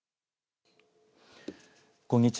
こんにちは。